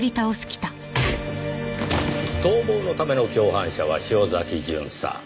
逃亡のための共犯者は潮崎巡査。